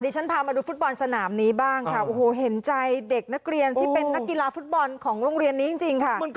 ฉันพามาดูฟุตบอลสนามนี้บ้างค่ะโอ้โหเห็นใจเด็กนักเรียนที่เป็นนักกีฬาฟุตบอลของโรงเรียนนี้จริงค่ะ